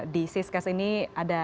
di siskas ini ada